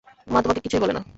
মা তোমাকে কিছুই বলে না।